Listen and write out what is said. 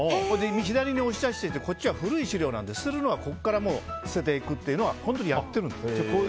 左に押し出していってこっちは古い資料なので捨てるのはここから捨てていくっていうのは本当にやってる。